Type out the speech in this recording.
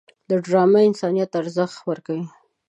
ډرامه انسانیت ته ارزښت ورکوي